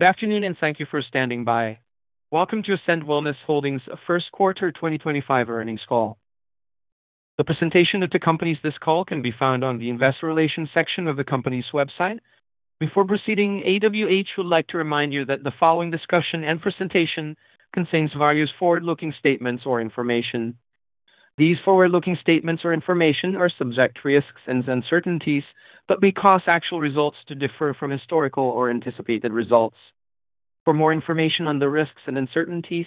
Good afternoon and thank you for standing by. Welcome to Ascend Wellness Holdings' First Quarter 2025 Earnings Call. The presentation of the company for this call can be found on the Investor Relations section of the company's website. Before proceeding, AWH would like to remind you that the following discussion and presentation contains various forward-looking statements or information. These forward-looking statements or information are subject to risks and uncertainties, which may cause actual results to differ from historical or anticipated results. For more information on the risks and uncertainties,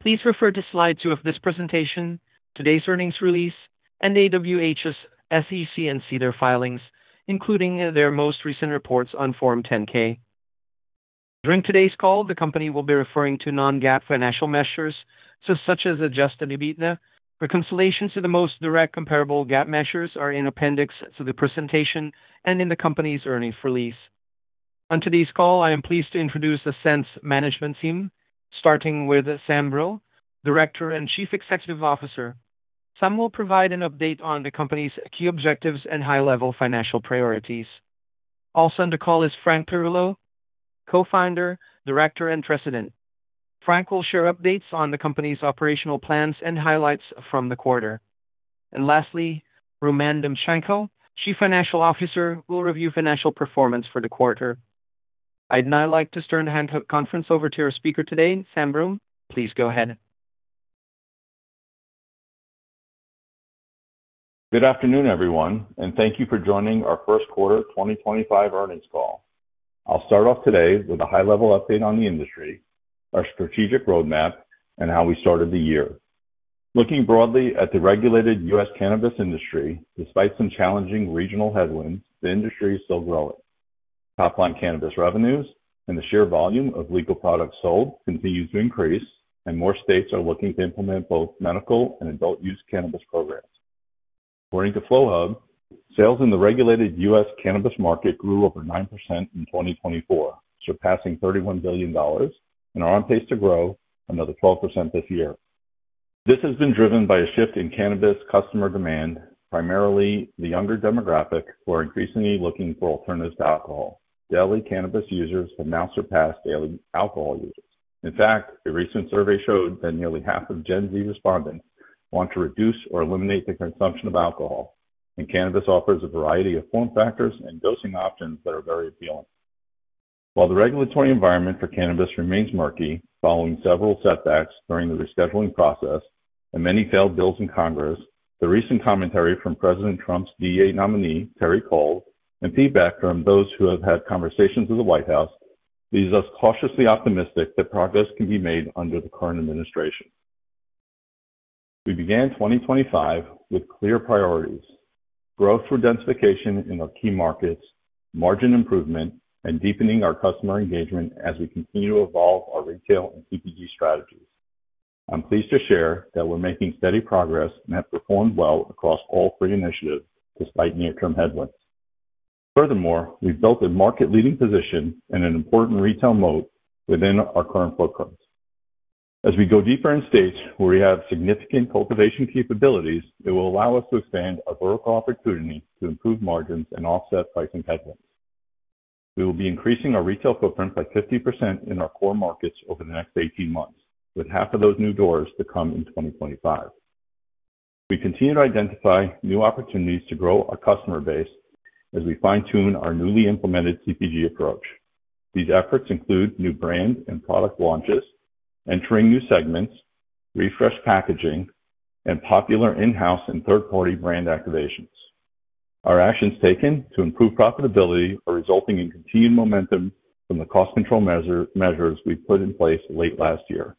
please refer to slide 2 of this presentation, today's earnings release, and AWH's SEC and SEDAR filings, including their most recent reports on Form 10-K. During today's call, the company will be referring to non-GAAP financial measures, such as adjusted EBITDA. Reconciliations to the most direct comparable GAAP measures are in the appendix to the presentation and in the company's earnings release. On today's call, I am pleased to introduce Ascend's management team, starting with Samuel Brill, Director and Chief Executive Officer. Samuel will provide an update on the company's key objectives and high-level financial priorities. Also on the call is Frank Perullo, Co-founder, Director and President. Frank will share updates on the company's operational plans and highlights from the quarter. Lastly, Roman Nemchenko, Chief Financial Officer, will review financial performance for the quarter. I'd now like to turn the conference over to our speaker today, Samuel. Please go ahead. Good afternoon, everyone, and thank you for joining our First Quarter 2025 Earnings Call. I'll start off today with a high-level update on the industry, our strategic roadmap, and how we started the year. Looking broadly at the regulated U.S. Cannabis industry, despite some challenging regional headwinds, the industry is still growing. Top-line cannabis revenues and the sheer volume of legal products sold continue to increase, and more states are looking to implement both medical and adult-use cannabis programs. According to Flowhub, sales in the regulated U.S. cannabis market grew over 9% in 2024, surpassing $31 billion, and are on pace to grow another 12% this year. This has been driven by a shift in cannabis customer demand, primarily the younger demographic, who are increasingly looking for alternatives to alcohol. Daily cannabis users have now surpassed daily alcohol users. In fact, a recent survey showed that nearly half of Gen Z respondents want to reduce or eliminate the consumption of alcohol, and cannabis offers a variety of form factors and dosing options that are very appealing. While the regulatory environment for cannabis remains murky, following several setbacks during the rescheduling process and many failed bills in Congress, the recent commentary from President Trump's DEA nominee, Terry Cole, and feedback from those who have had conversations with the White House leave us cautiously optimistic that progress can be made under the current administration. We began 2025 with clear priorities: growth through densification in our key markets, margin improvement, and deepening our customer engagement as we continue to evolve our retail and CPG strategies. I'm pleased to share that we're making steady progress and have performed well across all three initiatives, despite near-term headwinds. Furthermore, we've built a market-leading position and an important retail moat within our current footprint. As we go deeper in states where we have significant cultivation capabilities, it will allow us to expand our vertical opportunity to improve margins and offset pricing headwinds. We will be increasing our retail footprint by 50% in our core markets over the next 18 months, with half of those new doors to come in 2025. We continue to identify new opportunities to grow our customer base as we fine-tune our newly implemented CPG approach. These efforts include new brand and product launches, entering new segments, refreshed packaging, and popular in-house and third-party brand activations. Our actions taken to improve profitability are resulting in continued momentum from the cost control measures we put in place late last year.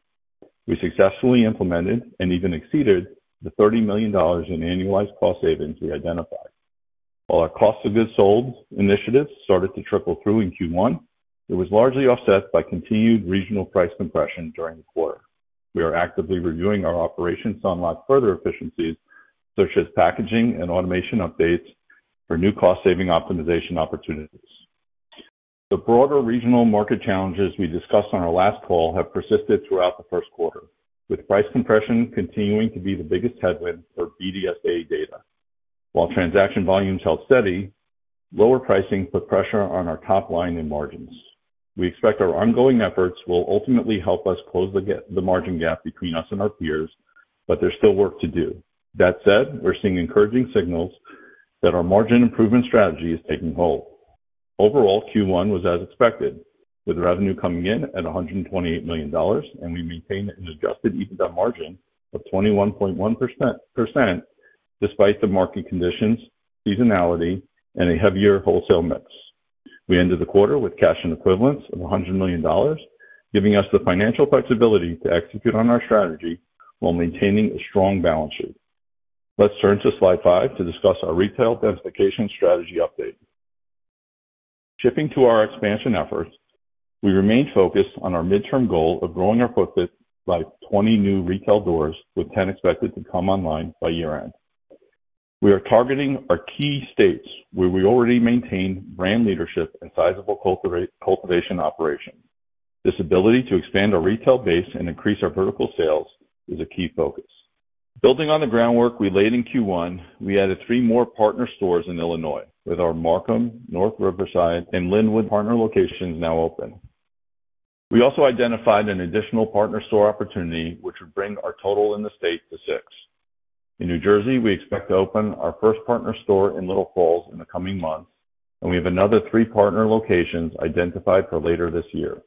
We successfully implemented and even exceeded the $30 million in annualized cost savings we identified. While our cost of goods sold initiatives started to trickle through in Q1, it was largely offset by continued regional price compression during the quarter. We are actively reviewing our operations to unlock further efficiencies, such as packaging and automation updates for new cost-saving optimization opportunities. The broader regional market challenges we discussed on our last call have persisted throughout the first quarter, with price compression continuing to be the biggest headwind for BDSA data. While transaction volumes held steady, lower pricing put pressure on our top line and margins. We expect our ongoing efforts will ultimately help us close the margin gap between us and our peers, but there's still work to do. That said, we're seeing encouraging signals that our margin improvement strategy is taking hold. Overall, Q1 was as expected, with revenue coming in at $128 million, and we maintained an adjusted EBITDA margin of 21.1% despite the market conditions, seasonality, and a heavier wholesale mix. We ended the quarter with cash and equivalents of $100 million, giving us the financial flexibility to execute on our strategy while maintaining a strong balance sheet. Let's turn to slide 5 to discuss our retail densification strategy update. Shifting to our expansion efforts, we remained focused on our midterm goal of growing our footprint by 20 new retail doors, with 10 expected to come online by year-end. We are targeting our key states where we already maintain brand leadership and sizable cultivation operations. This ability to expand our retail base and increase our vertical sales is a key focus. Building on the groundwork we laid in Q1, we added three more partner stores in Illinois, with our Markham, North Riverside, and Lynwood partner locations now open. We also identified an additional partner store opportunity, which would bring our total in the state to six. In New Jersey, we expect to open our first partner store in Little Falls in the coming months, and we have another three partner locations identified for later this year.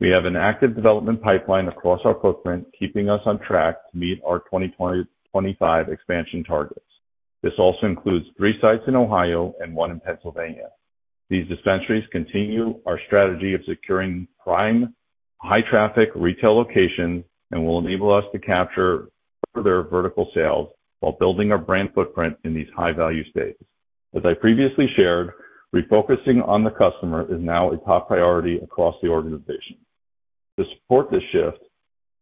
We have an active development pipeline across our footprint, keeping us on track to meet our 2025 expansion targets. This also includes three sites in Ohio and one in Pennsylvania. These dispensaries continue our strategy of securing prime, high-traffic retail locations and will enable us to capture further vertical sales while building our brand footprint in these high-value states. As I previously shared, refocusing on the customer is now a top priority across the organization. To support this shift,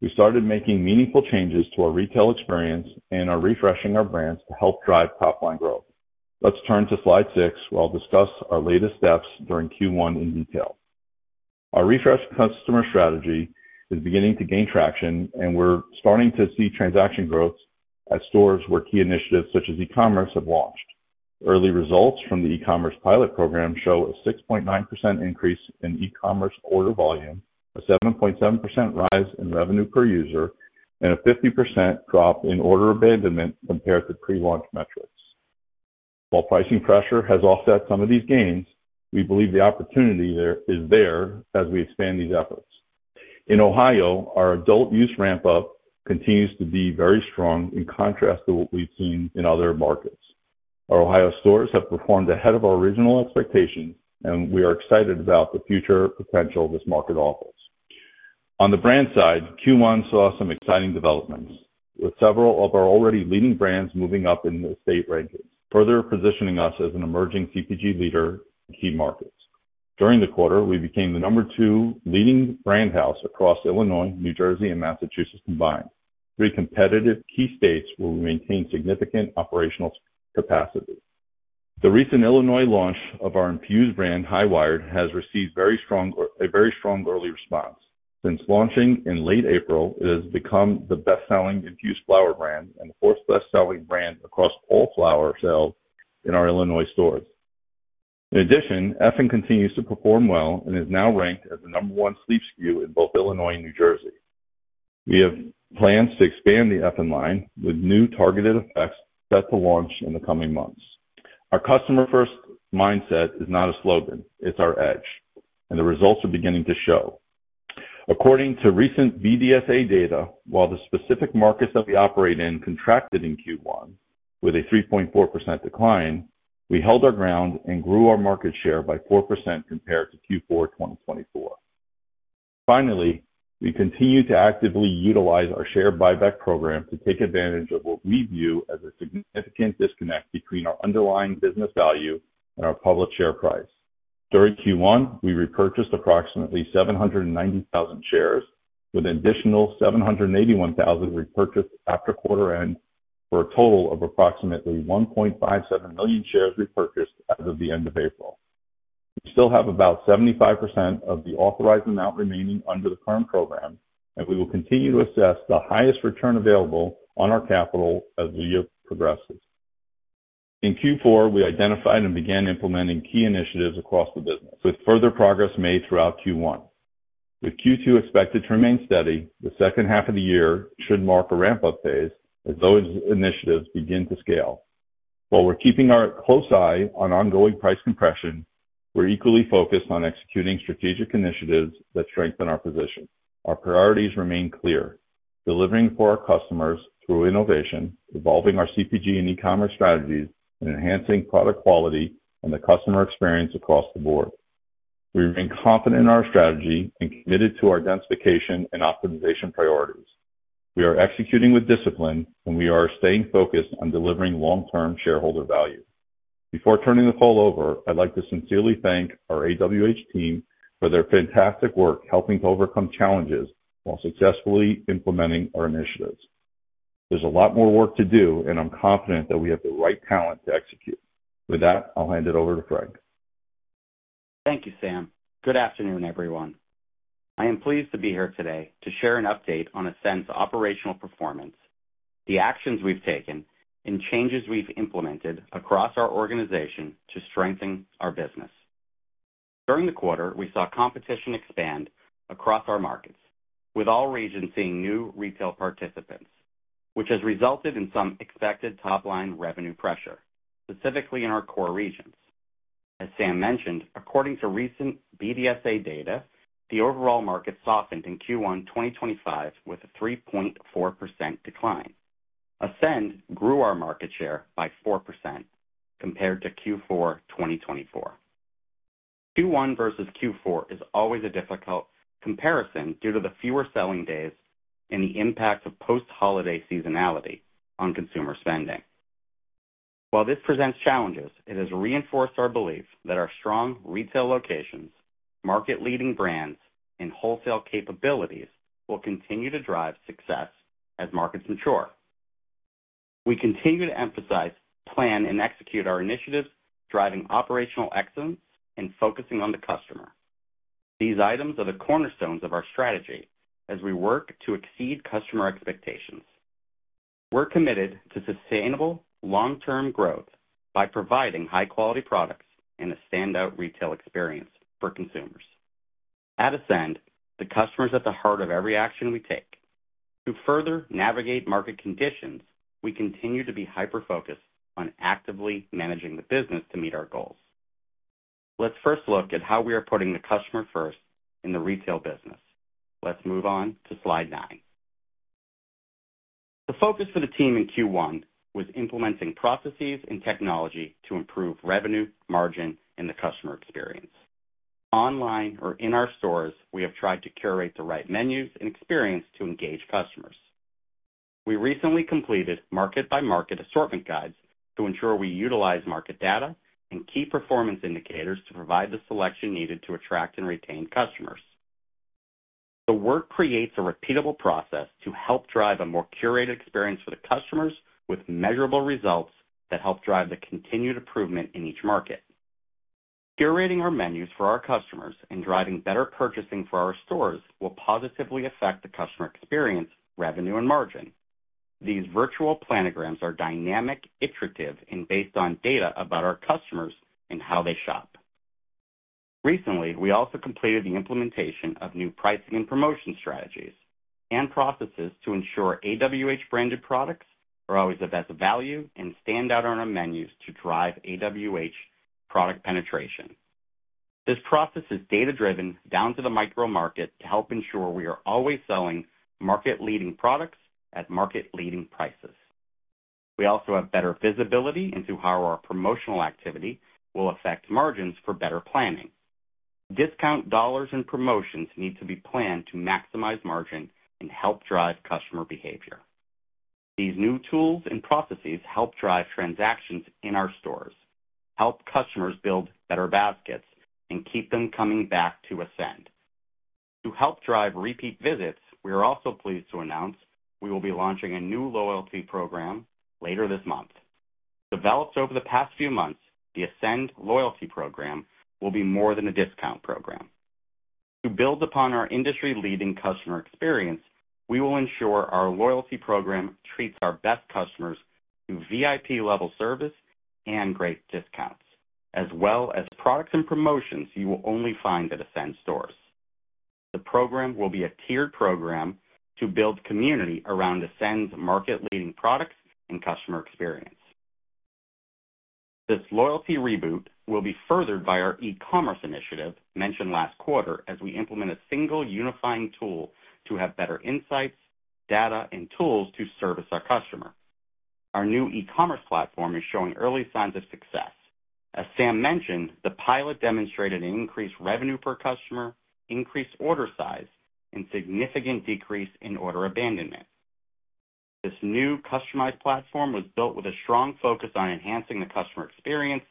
we started making meaningful changes to our retail experience and are refreshing our brands to help drive top-line growth. Let's turn to slide 6, where I'll discuss our latest steps during Q1 in detail. Our refreshed customer strategy is beginning to gain traction, and we're starting to see transaction growth at stores where key initiatives such as e-commerce have launched. Early results from the e-commerce pilot program show a 6.9% increase in e-commerce order volume, a 7.7% rise in revenue per user, and a 50% drop in order abandonment compared to pre-launch metrics. While pricing pressure has offset some of these gains, we believe the opportunity is there as we expand these efforts. In Ohio, our adult-use ramp-up continues to be very strong in contrast to what we've seen in other markets. Our Ohio stores have performed ahead of our regional expectations, and we are excited about the future potential this market offers. On the brand side, Q1 saw some exciting developments, with several of our already leading brands moving up in the state rankings, further positioning us as an emerging CPG leader in key markets. During the quarter, we became the number two leading brand house across Illinois, New Jersey, and Massachusetts combined, three competitive key states where we maintained significant operational capacity. The recent Illinois launch of our infused brand, High Wired, has received a very strong early response. Since launching in late April, it has become the best-selling infused flower brand and the fourth best-selling brand across all flower sales in our Illinois stores. In addition, Effects continues to perform well and is now ranked as the number one sleep SKU in both Illinois and New Jersey. We have plans to expand the Effects line with new targeted effects set to launch in the coming months. Our customer-first mindset is not a slogan; it's our edge, and the results are beginning to show. According to recent BDSA data, while the specific markets that we operate in contracted in Q1 with a 3.4% decline, we held our ground and grew our market share by 4% compared to Q4 2024. Finally, we continue to actively utilize our share buyback program to take advantage of what we view as a significant disconnect between our underlying business value and our public share price. During Q1, we repurchased approximately 790,000 shares, with an additional 781,000 repurchased after quarter-end for a total of approximately 1.57 million shares repurchased as of the end of April. We still have about 75% of the authorized amount remaining under the current program, and we will continue to assess the highest return available on our capital as the year progresses. In Q4, we identified and began implementing key initiatives across the business, with further progress made throughout Q1. With Q2 expected to remain steady, the second half of the year should mark a ramp-up phase as those initiatives begin to scale. While we're keeping a close eye on ongoing price compression, we're equally focused on executing strategic initiatives that strengthen our position. Our priorities remain clear: delivering for our customers through innovation, evolving our CPG and e-commerce strategies, and enhancing product quality and the customer experience across the board. We remain confident in our strategy and committed to our densification and optimization priorities. We are executing with discipline, and we are staying focused on delivering long-term shareholder value. Before turning the call over, I'd like to sincerely thank our AWH team for their fantastic work helping to overcome challenges while successfully implementing our initiatives. There's a lot more work to do, and I'm confident that we have the right talent to execute. With that, I'll hand it over to Frank. Thank you, Sam. Good afternoon, everyone. I am pleased to be here today to share an update on Ascend's operational performance, the actions we've taken, and changes we've implemented across our organization to strengthen our business. During the quarter, we saw competition expand across our markets, with all regions seeing new retail participants, which has resulted in some expected top-line revenue pressure, specifically in our core regions. As Sam mentioned, according to recent BDSA data, the overall market softened in Q1 2025 with a 3.4% decline. Ascend grew our market share by 4% compared to Q4 2024. Q1 versus Q4 is always a difficult comparison due to the fewer selling days and the impact of post-holiday seasonality on consumer spending. While this presents challenges, it has reinforced our belief that our strong retail locations, market-leading brands, and wholesale capabilities will continue to drive success as markets mature. We continue to emphasize, plan, and execute our initiatives, driving operational excellence and focusing on the customer. These items are the cornerstones of our strategy as we work to exceed customer expectations. We're committed to sustainable long-term growth by providing high-quality products and a standout retail experience for consumers. At Ascend, the customer is at the heart of every action we take. To further navigate market conditions, we continue to be hyper-focused on actively managing the business to meet our goals. Let's first look at how we are putting the customer first in the retail business. Let's move on to slide 9. The focus for the team in Q1 was implementing processes and technology to improve revenue, margin, and the customer experience. Online or in our stores, we have tried to curate the right menus and experience to engage customers. We recently completed market-by-market assortment guides to ensure we utilize market data and key performance indicators to provide the selection needed to attract and retain customers. The work creates a repeatable process to help drive a more curated experience for the customers, with measurable results that help drive the continued improvement in each market. Curating our menus for our customers and driving better purchasing for our stores will positively affect the customer experience, revenue, and margin. These virtual planograms are dynamic, iterative, and based on data about our customers and how they shop. Recently, we also completed the implementation of new pricing and promotion strategies and processes to ensure AWH-branded products are always of best value and stand out on our menus to drive AWH product penetration. This process is data-driven down to the micro-market to help ensure we are always selling market-leading products at market-leading prices. We also have better visibility into how our promotional activity will affect margins for better planning. Discount dollars and promotions need to be planned to maximize margin and help drive customer behavior. These new tools and processes help drive transactions in our stores, help customers build better baskets, and keep them coming back to Ascend. To help drive repeat visits, we are also pleased to announce we will be launching a new loyalty program later this month. Developed over the past few months, the Ascend loyalty program will be more than a discount program. To build upon our industry-leading customer experience, we will ensure our loyalty program treats our best customers to VIP-level service and great discounts, as well as products and promotions you will only find at Ascend stores. The program will be a tiered program to build community around Ascend's market-leading products and customer experience. This loyalty reboot will be furthered by our e-commerce initiative mentioned last quarter as we implement a single unifying tool to have better insights, data, and tools to service our customer. Our new e-commerce platform is showing early signs of success. As Sam mentioned, the pilot demonstrated an increased revenue per customer, increased order size, and significant decrease in order abandonment. This new customized platform was built with a strong focus on enhancing the customer experience,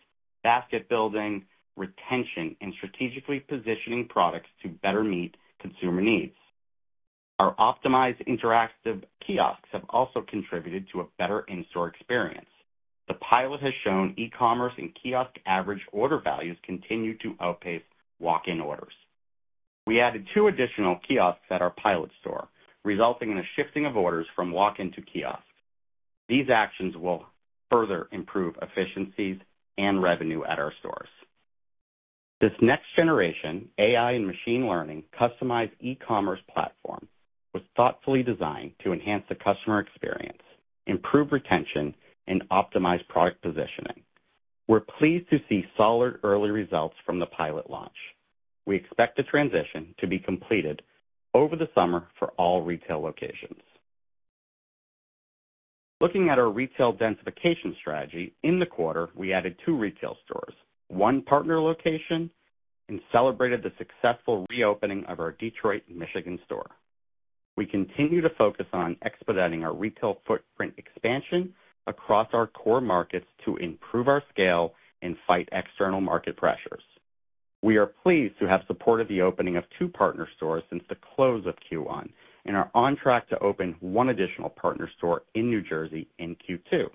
basket building, retention, and strategically positioning products to better meet consumer needs. Our optimized interactive kiosks have also contributed to a better in-store experience. The pilot has shown e-commerce and kiosk average order values continue to outpace walk-in orders. We added two additional kiosks at our pilot store, resulting in a shifting of orders from walk-in to kiosk. These actions will further improve efficiencies and revenue at our stores. This next-generation AI and machine learning customized e-commerce platform was thoughtfully designed to enhance the customer experience, improve retention, and optimize product positioning. We're pleased to see solid early results from the pilot launch. We expect the transition to be completed over the summer for all retail locations. Looking at our retail densification strategy, in the quarter, we added two retail stores, one partner location, and celebrated the successful reopening of our Detroit, Michigan store. We continue to focus on expediting our retail footprint expansion across our core markets to improve our scale and fight external market pressures. We are pleased to have supported the opening of two partner stores since the close of Q1 and are on track to open one additional partner store in New Jersey in Q2.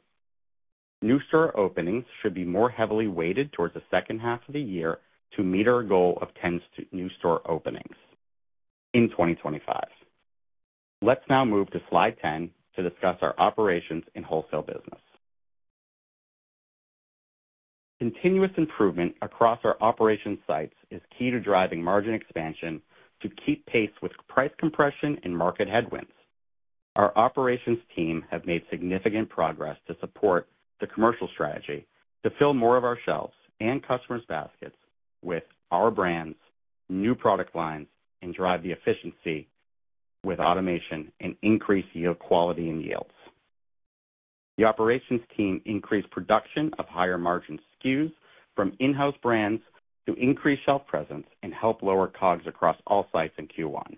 New store openings should be more heavily weighted towards the second half of the year to meet our goal of 10 new store openings in 2025. Let's now move to slide 10 to discuss our operations and wholesale business. Continuous improvement across our operations sites is key to driving margin expansion to keep pace with price compression and market headwinds. Our operations team has made significant progress to support the commercial strategy to fill more of our shelves and customers' baskets with our brands, new product lines, and drive the efficiency with automation and increase yield quality and yields. The operations team increased production of higher margin SKUs from in-house brands to increase shelf presence and help lower COGS across all sites in Q1.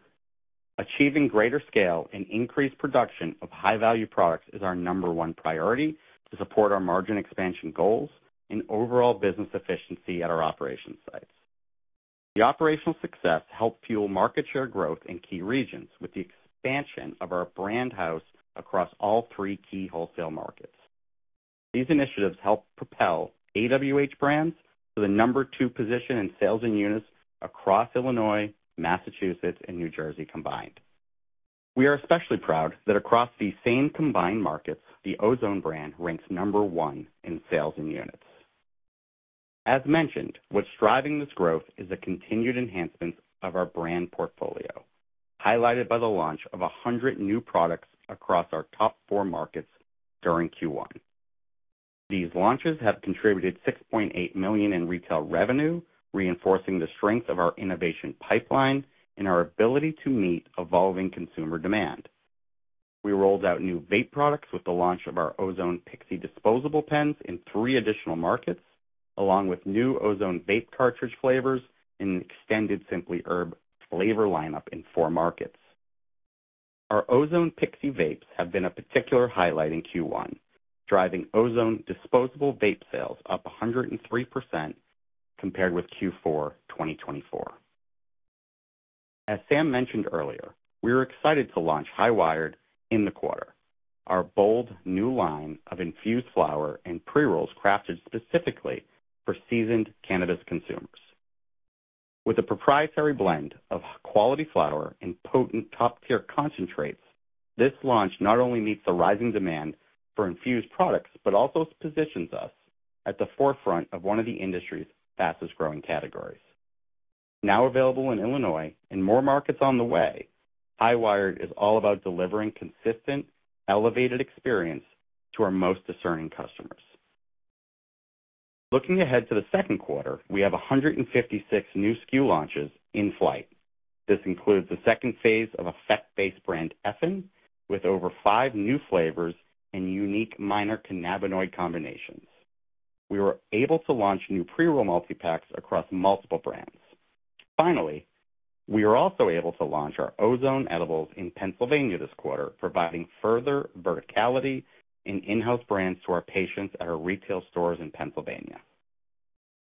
Achieving greater scale and increased production of high-value products is our number one priority to support our margin expansion goals and overall business efficiency at our operations sites. The operational success helped fuel market share growth in key regions with the expansion of our brand house across all three key wholesale markets. These initiatives helped propel AWH brands to the number two position in sales and units across Illinois, Massachusetts, and New Jersey combined. We are especially proud that across the same combined markets, the Ozone brand ranks number one in sales and units. As mentioned, what's driving this growth is the continued enhancements of our brand portfolio, highlighted by the launch of 100 new products across our top four markets during Q1. These launches have contributed $6.8 million in retail revenue, reinforcing the strength of our innovation pipeline and our ability to meet evolving consumer demand. We rolled out new vape products with the launch of our Ozone Pixie disposable pens in three additional markets, along with new Ozone vape cartridge flavors and an extended Simply Herb flavor lineup in four markets. Our Ozone Pixie vapes have been a particular highlight in Q1, driving Ozone disposable vape sales up 103% compared with Q4 2024. As Sam mentioned earlier, we were excited to launch High Wired in the quarter, our bold new line of infused flower and pre-rolls crafted specifically for seasoned cannabis consumers. With a proprietary blend of quality flower and potent top-tier concentrates, this launch not only meets the rising demand for infused products but also positions us at the forefront of one of the industry's fastest-growing categories. Now available in Illinois and more markets on the way, High Wired is all about delivering consistent, elevated experience to our most discerning customers. Looking ahead to the second quarter, we have 156 new SKU launches in flight. This includes the second phase of a effect-based brand, Effects, with over five new flavors and unique minor cannabinoid combinations. We were able to launch new pre-roll multi-packs across multiple brands. Finally, we were also able to launch our Ozone edibles in Pennsylvania this quarter, providing further verticality and in-house brands to our patients at our retail stores in Pennsylvania.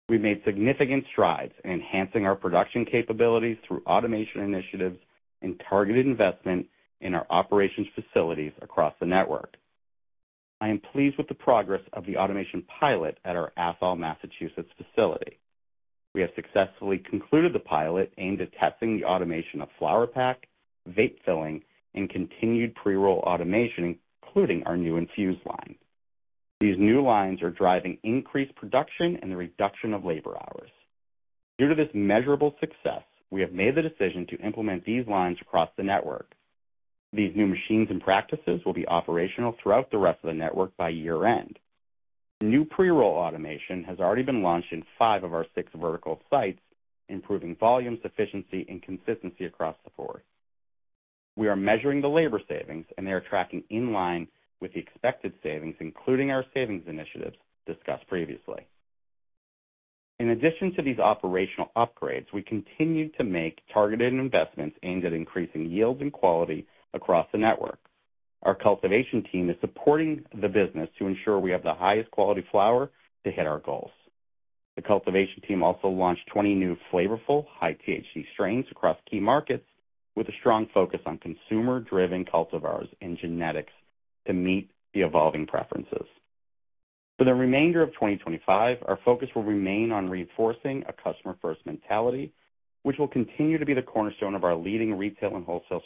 We made significant strides in enhancing our production capabilities through automation initiatives and targeted investment in our operations facilities across the network. I am pleased with the progress of the automation pilot at our Athol, Massachusetts, facility. We have successfully concluded the pilot aimed at testing the automation of flower pack, vape filling, and continued pre-roll automation, including our new infused line. These new lines are driving increased production and the reduction of labor hours. Due to this measurable success, we have made the decision to implement these lines across the network. These new machines and practices will be operational throughout the rest of the network by year-end. New pre-roll automation has already been launched in five of our six vertical sites, improving volume, efficiency, and consistency across the board. We are measuring the labor savings, and they are tracking in line with the expected savings, including our savings initiatives discussed previously. In addition to these operational upgrades, we continue to make targeted investments aimed at increasing yield and quality across the network. Our cultivation team is supporting the business to ensure we have the highest quality flower to hit our goals. The cultivation team also launched 20 new flavorful high THC strains across key markets, with a strong focus on consumer-driven cultivars and genetics to meet the evolving preferences. For the remainder of 2025, our focus will remain on reinforcing a customer-first mentality, which will continue to be the cornerstone of our leading retail and wholesale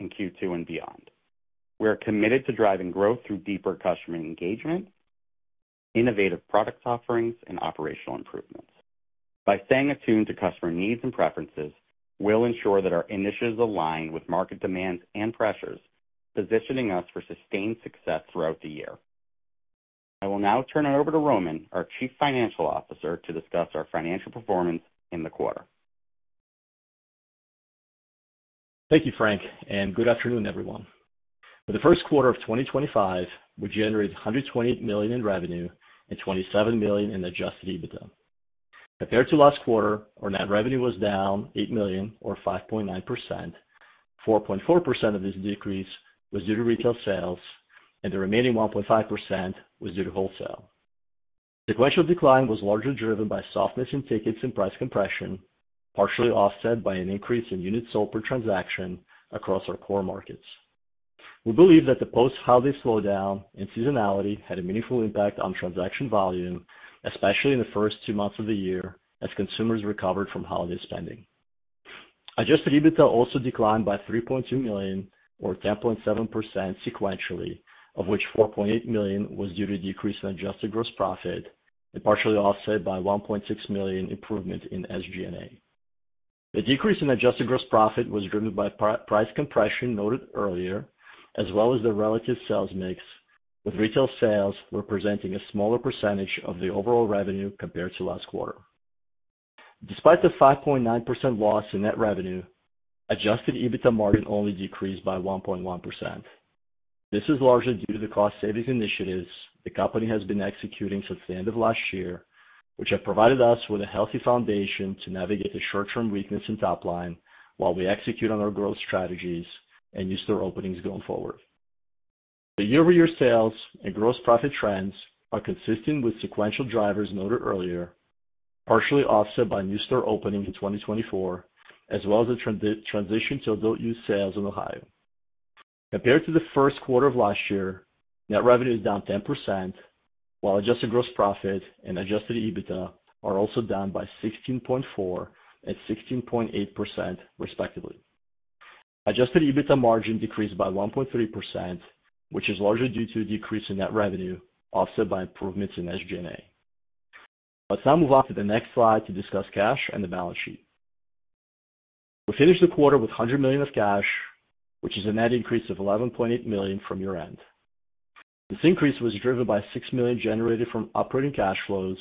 strategies in Q2 and beyond. We are committed to driving growth through deeper customer engagement, innovative product offerings, and operational improvements. By staying attuned to customer needs and preferences, we'll ensure that our initiatives align with market demands and pressures, positioning us for sustained success throughout the year. I will now turn it over to Roman, our Chief Financial Officer, to discuss our financial performance in the quarter. Thank you, Frank, and good afternoon, everyone. For the first quarter of 2025, we generated $128 million in revenue and $27 million in adjusted EBITDA. Compared to last quarter, our net revenue was down $8 million, or 5.9%. 4.4% of this decrease was due to retail sales, and the remaining 1.5% was due to wholesale. The sequential decline was largely driven by softness in tickets and price compression, partially offset by an increase in units sold per transaction across our core markets. We believe that the post-holiday slowdown and seasonality had a meaningful impact on transaction volume, especially in the first two months of the year as consumers recovered from holiday spending. Adjusted EBITDA also declined by $3.2 million, or 10.7% sequentially, of which $4.8 million was due to a decrease in adjusted gross profit and partially offset by a $1.6 million improvement in SG&A. The decrease in adjusted gross profit was driven by price compression noted earlier, as well as the relative sales mix, with retail sales representing a smaller percentage of the overall revenue compared to last quarter. Despite the 5.9% loss in net revenue, adjusted EBITDA margin only decreased by 1.1%. This is largely due to the cost-savings initiatives the company has been executing since the end of last year, which have provided us with a healthy foundation to navigate the short-term weakness in top line while we execute on our growth strategies and use store openings going forward. The year-over-year sales and gross profit trends are consistent with sequential drivers noted earlier, partially offset by new store opening in 2024, as well as the transition to adult use sales in Ohio. Compared to the first quarter of last year, net revenue is down 10%, while adjusted gross profit and adjusted EBITDA are also down by 16.4% and 16.8%, respectively. Adjusted EBITDA margin decreased by 1.3%, which is largely due to a decrease in net revenue offset by improvements in SG&A. Let's now move on to the next slide to discuss cash and the balance sheet. We finished the quarter with $100 million of cash, which is a net increase of $11.8 million from year-end. This increase was driven by $6 million generated from operating cash flows,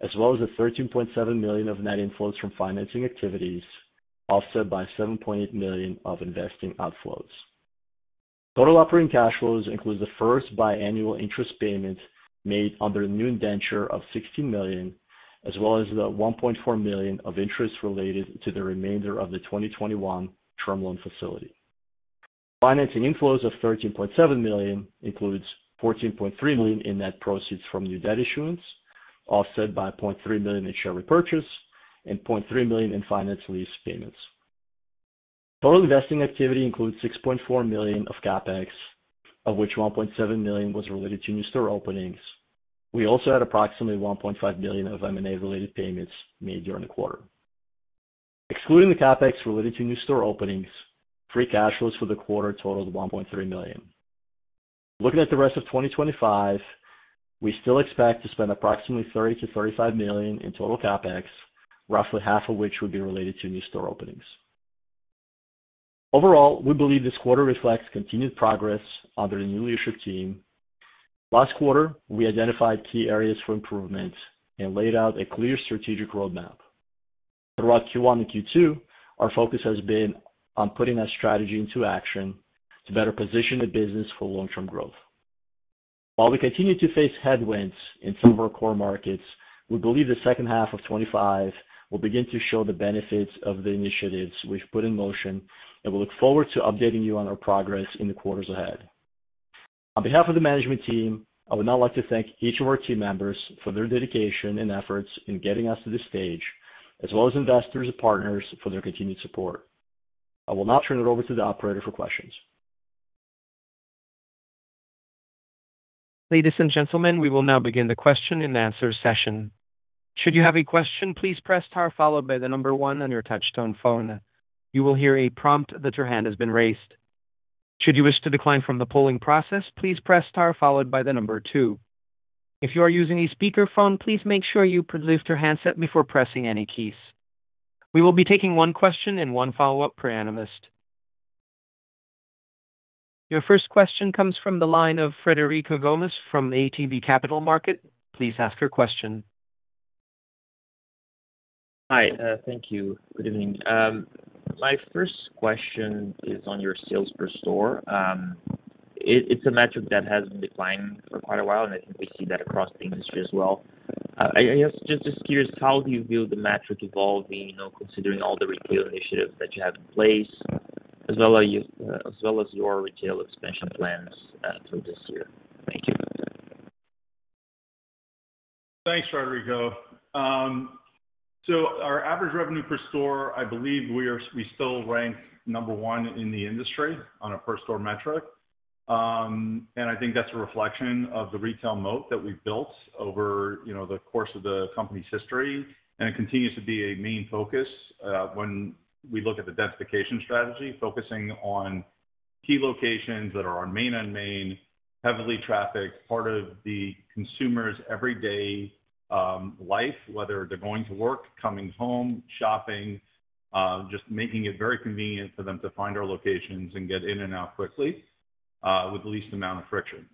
as well as $13.7 million of net inflows from financing activities, offset by $7.8 million of investing outflows. Total operating cash flows include the first biannual interest payment made under a new indenture of $16 million, as well as the $1.4 million of interest related to the remainder of the 2021 term loan facility. Financing inflows of $13.7 million include $14.3 million in net proceeds from new debt issuance, offset by $0.3 million in share repurchase, and $0.3 million in finance lease payments. Total investing activity includes $6.4 million of CapEx, of which $1.7 million was related to new store openings. We also had approximately $1.5 million of M&A-related payments made during the quarter. Excluding the CapEx related to new store openings, free cash flows for the quarter totaled $1.3 million. Looking at the rest of 2025, we still expect to spend approximately $30-$35 million in total CapEx, roughly half of which would be related to new store openings. Overall, we believe this quarter reflects continued progress under the new leadership team. Last quarter, we identified key areas for improvement and laid out a clear strategic roadmap. Throughout Q1 and Q2, our focus has been on putting our strategy into action to better position the business for long-term growth. While we continue to face headwinds in some of our core markets, we believe the second half of 2025 will begin to show the benefits of the initiatives we've put in motion, and we look forward to updating you on our progress in the quarters ahead. On behalf of the management team, I would now like to thank each of our team members for their dedication and efforts in getting us to this stage, as well as investors and partners for their continued support. I will now turn it over to the operator for questions. Ladies and gentlemen, we will now begin the question and answer session. Should you have a question, please press * followed by the number 1 on your touch-tone phone. You will hear a prompt that your hand has been raised. Should you wish to decline from the polling process, please press * followed by the number 2. If you are using a speakerphone, please make sure you lift your handset before pressing any keys. We will be taking one question and one follow-up per analyst. Your first question comes from the line of Frederico Gomes from ATB Capital Markets. Please ask your question. Hi, thank you. Good evening. My first question is on your sales per store. It's a metric that has been declining for quite a while, and I think we see that across the industry as well. I guess just curious, how do you view the metric evolving, considering all the retail initiatives that you have in place, as well as your retail expansion plans for this year? Thank you. Thanks, Frederico. So our average revenue per store, I believe we still rank number one in the industry on a per-store metric. I think that's a reflection of the retail moat that we've built over the course of the company's history, and it continues to be a main focus when we look at the densification strategy, focusing on key locations that are our main, heavily trafficked, part of the consumer's everyday life, whether they're going to work, coming home, shopping, just making it very convenient for them to find our locations and get in and out quickly with the least amount of friction.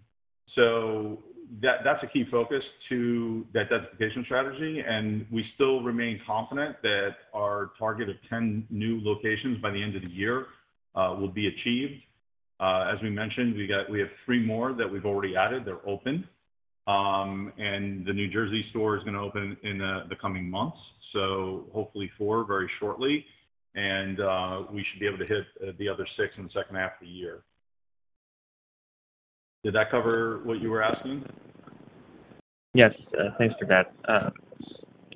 That's a key focus to that densification strategy, and we still remain confident that our target of 10 new locations by the end of the year will be achieved. As we mentioned, we have three more that we've already added. They're open, and the New Jersey store is going to open in the coming months, so hopefully four very shortly, and we should be able to hit the other six in the second half of the year. Did that cover what you were asking? Yes, thanks for that. I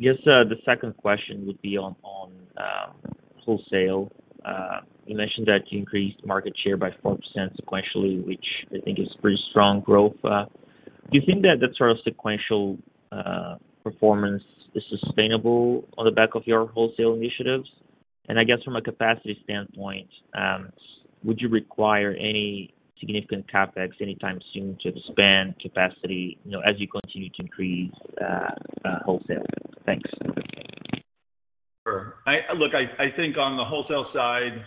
guess the second question would be on wholesale. You mentioned that you increased market share by 4% sequentially, which I think is pretty strong growth. Do you think that that sort of sequential performance is sustainable on the back of your wholesale initiatives? I guess from a capacity standpoint, would you require any significant CapEx anytime soon to expand capacity as you continue to increase wholesale? Thanks. Sure. Look, I think on the wholesale side,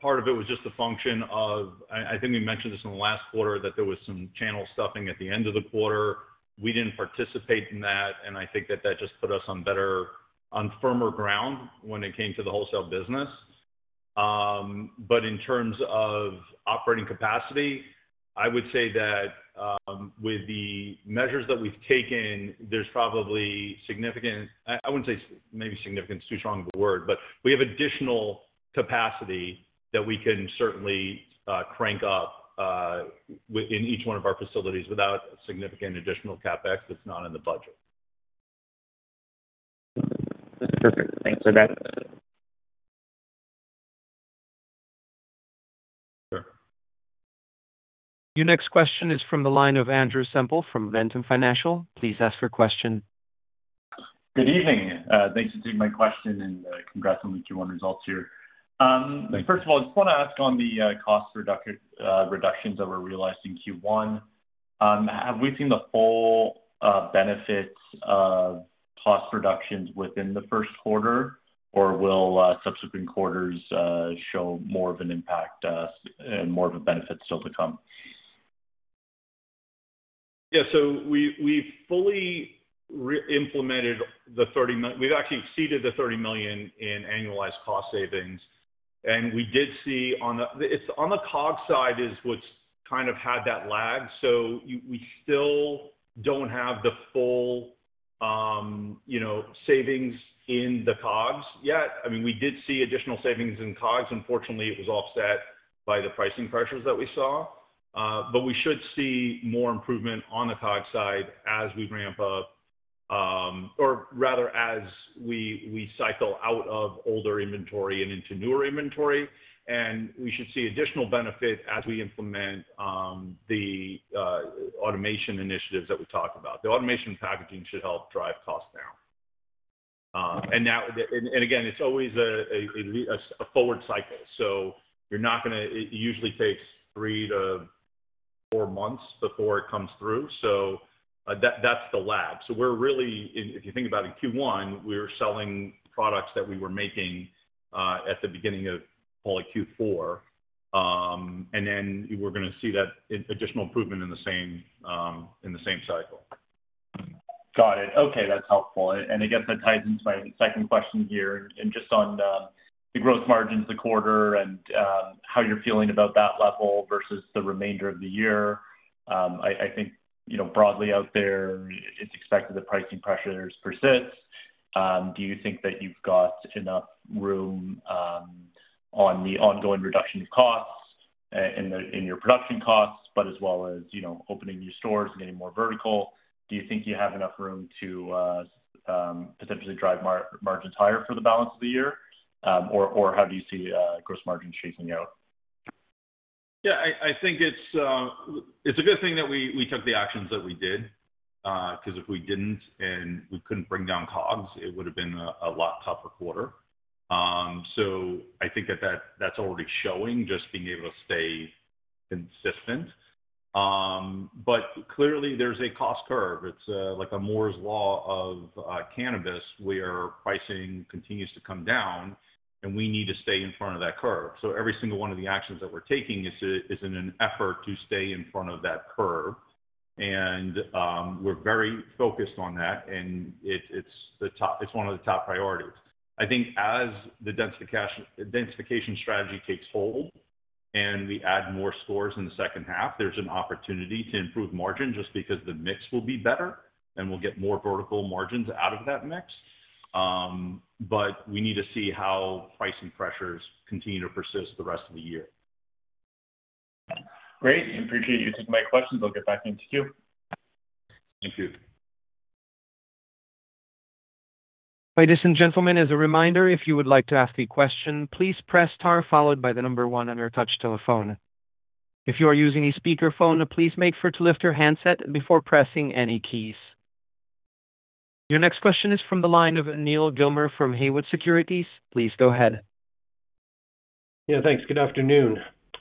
part of it was just a function of, I think we mentioned this in the last quarter, that there was some channel stuffing at the end of the quarter. We did not participate in that, and I think that just put us on better, on firmer ground when it came to the wholesale business. In terms of operating capacity, I would say that with the measures that we have taken, there is probably significant—I would not say maybe significant is too strong of a word, but we have additional capacity that we can certainly crank up in each one of our facilities without significant additional CapEx that is not in the budget. Perfect. Thanks for that. Sure. Your next question is from the line of Andrew Semple from Ventum Financial. Please ask your question. Good evening. Thanks for taking my question and congrats on the Q1 results here. First of all, I just want to ask on the cost reductions that were realized in Q1. Have we seen the full benefits of cost reductions within the first quarter, or will subsequent quarters show more of an impact and more of a benefit still to come? Yeah, so we fully implemented the 30—we've actually exceeded the $30 million in annualized cost savings. And we did see on the—it's on the COGS side is what's kind of had that lag. We still do not have the full savings in the COGS yet. I mean, we did see additional savings in COGS. Unfortunately, it was offset by the pricing pressures that we saw. We should see more improvement on the COGS side as we ramp up, or rather as we cycle out of older inventory and into newer inventory. We should see additional benefit as we implement the automation initiatives that we talked about. The automation packaging should help drive cost down. Again, it's always a forward cycle. You're not going to—it usually takes three to four months before it comes through. That's the lag. If you think about it, in Q1, we were selling products that we were making at the beginning of, call it, Q4. We're going to see that additional improvement in the same cycle. Got it. Okay, that's helpful. I guess that ties into my second question here. Just on the gross margins the quarter and how you're feeling about that level versus the remainder of the year, I think broadly out there, it's expected that pricing pressures persist. Do you think that you've got enough room on the ongoing reduction of costs in your production costs, but as well as opening new stores and getting more vertical? Do you think you have enough room to potentially drive margins higher for the balance of the year? How do you see gross margins shaking out? Yeah, I think it's a good thing that we took the actions that we did, because if we didn't and we couldn't bring down COGS, it would have been a lot tougher quarter. I think that that's already showing, just being able to stay consistent. Clearly, there's a cost curve. It's like a Moore's law of cannabis where pricing continues to come down, and we need to stay in front of that curve. Every single one of the actions that we're taking is in an effort to stay in front of that curve. We're very focused on that, and it's one of the top priorities. I think as the densification strategy takes hold and we add more stores in the second half, there's an opportunity to improve margin just because the mix will be better, and we'll get more vertical margins out of that mix. We need to see how pricing pressures continue to persist the rest of the year. Great. I appreciate you taking my questions. I'll get back into Q. Thank you. Ladies and gentlemen, as a reminder, if you would like to ask a question, please press * followed by the number 1 on your touch telephone. If you are using a speakerphone, please make sure to lift your handset before pressing any keys. Your next question is from the line of Neal Gilmer from Haywood Securities. Please go ahead. Yeah, thanks. Good afternoon.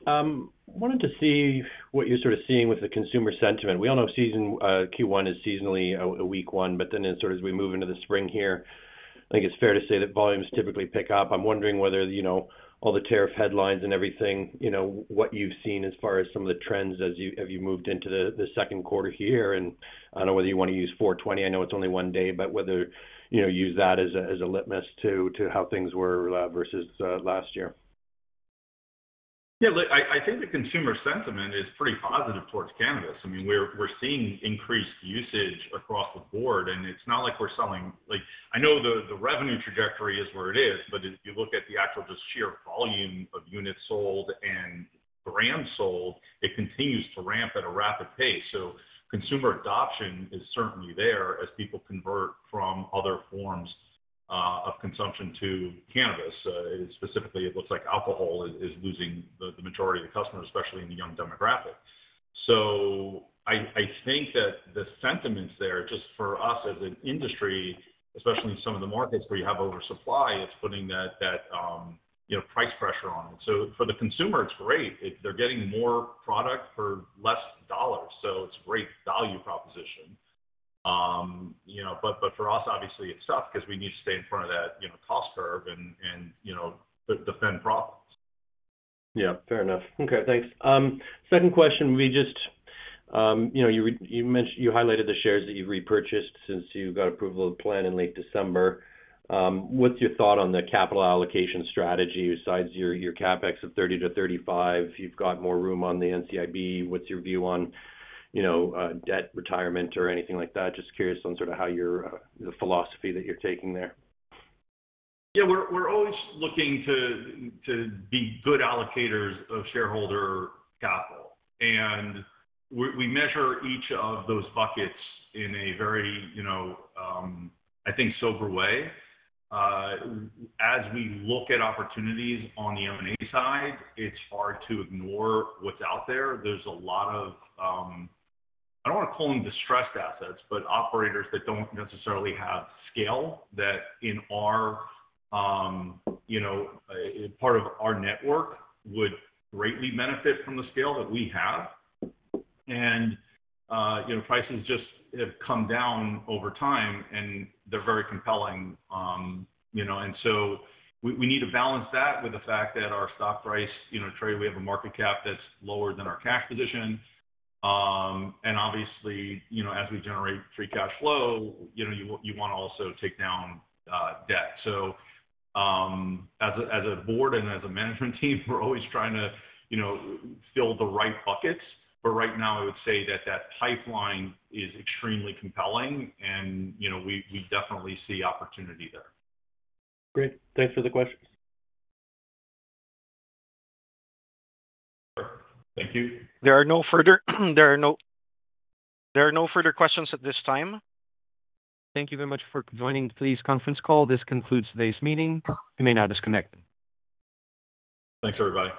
I wanted to see what you're sort of seeing with the consumer sentiment. We all know Q1 is seasonally a weak one, but then as we move into the spring here, I think it's fair to say that volumes typically pick up. I'm wondering whether all the tariff headlines and everything, what you've seen as far as some of the trends as you moved into the second quarter here. And I don't know whether you want to use 420. I know it's only one day, but whether you use that as a litmus to how things were versus last year. Yeah, look, I think the consumer sentiment is pretty positive towards cannabis. I mean, we're seeing increased usage across the board, and it's not like we're selling—I know the revenue trajectory is where it is, but if you look at the actual just sheer volume of units sold and brands sold, it continues to ramp at a rapid pace. Consumer adoption is certainly there as people convert from other forms of consumption to cannabis. Specifically, it looks like alcohol is losing the majority of the customers, especially in the young demographic. I think that the sentiment's there, just for us as an industry, especially in some of the markets where you have oversupply, it's putting that price pressure on it. For the consumer, it's great. They're getting more product for less dollars. It's a great value proposition. For us, obviously, it's tough because we need to stay in front of that cost curve and defend profits. Yeah, fair enough. Okay, thanks. Second question, you highlighted the shares that you've repurchased since you got approval of the plan in late December. What's your thought on the capital allocation strategy besides your CapEx of $30-$35? You've got more room on the NCIB. What's your view on debt retirement or anything like that? Just curious on sort of how you're—the philosophy that you're taking there. Yeah, we're always looking to be good allocators of shareholder capital. We measure each of those buckets in a very, I think, sober way. As we look at opportunities on the M&A side, it's hard to ignore what's out there. is a lot of—I do not want to call them distressed assets, but operators that do not necessarily have scale that, in our part of our network, would greatly benefit from the scale that we have. Prices just have come down over time, and they are very compelling. We need to balance that with the fact that our stock price trades, we have a market cap that is lower than our cash position. Obviously, as we generate free cash flow, you want to also take down debt. As a board and as a management team, we are always trying to fill the right buckets. Right now, I would say that pipeline is extremely compelling, and we definitely see opportunity there. Great. Thanks for the questions. Sure. Thank you. There are no further questions at this time. Thank you very much for joining today's conference call. This concludes today's meeting. You may now disconnect. Thanks, everybody.